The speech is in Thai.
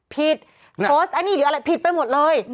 ผิดโพสต์ไอ้นี่หรืออะไรผิดไปหมดเลย